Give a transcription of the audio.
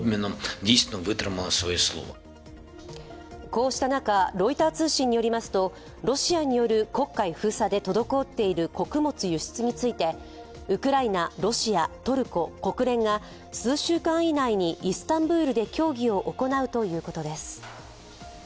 こうした中、ロイター通信によりますと、ロシアによる黒海封鎖で滞っている穀物輸出についてウクライナ、ロシア、トルコ、国連が数週間以内にイスタンブールで協議を行うということです。